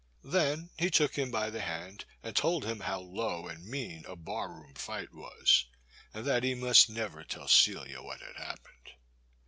Then he took him by the hand and told him how low and mean a bar room fight was, and that he must never tell Celia what had hap pened.